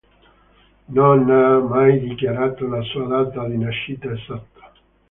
Non ha mai dichiarato la sua data di nascita esatta.